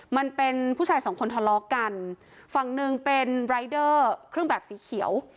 มันเป็นผู้ชายสองคนทะเลาะกันฝั่งหนึ่งเป็นรายเดอร์เครื่องแบบสีเขียว